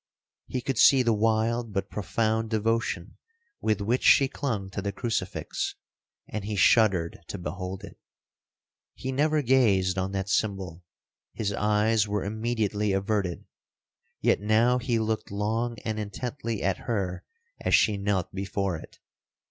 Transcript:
He could see the wild but profound devotion with which she clung to the crucifix,—and he shuddered to behold it. He never gazed on that symbol,—his eyes were immediately averted;—yet now he looked long and intently at her as she knelt before it.